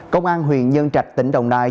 công an huyện nhân trạch tỉnh đồng nai